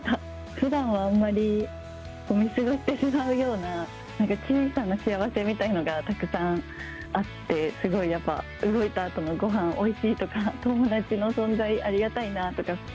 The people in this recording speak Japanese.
ふだんはあんまり、見過ごしてしまうような、なんか小さな幸せみたいのがたくさんあって、すごいやっぱ、動いたあとのごはんおいしいとか、友達の存在ありがたいなとか。